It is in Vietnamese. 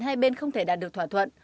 hai bên không thể đạt được thỏa thuận